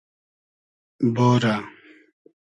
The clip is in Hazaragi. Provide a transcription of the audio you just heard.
بورۂ